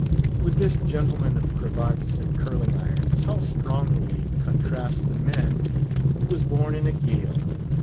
With this gentleman of cravats and curling irons, how strongly contrasts the man who was born in a gale!